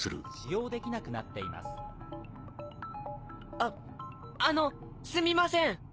ああのすみません！